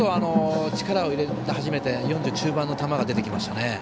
力を入れ始めて１４０中盤の球が出てきましたね。